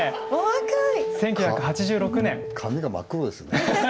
１９８６年。髪が真っ黒ですね。